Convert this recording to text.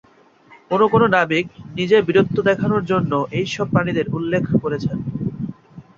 কোন কোন নাবিক নিজের বীরত্ব দেখানোর জন্য এই সব প্রাণীদের উল্লেখ করেছেন।